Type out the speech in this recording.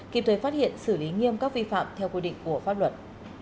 kịp thời phát hiện xử lý nghiêm các vi phạm theo quy định của pháp luật